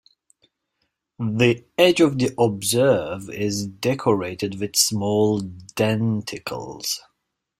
The edge of the obverse is decorated with small denticles.